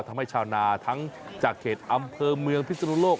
ทำให้ชาวนาทั้งจากเขตอำเภอเมืองพิศนุโลก